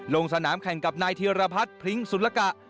ลงสนามแข่งกับนายธีรพัฒน์พริ้งสุรกะ